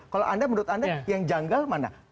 kalau anda menurut anda yang janggal mana